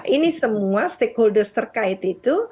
ini semua stakeholders terkait itu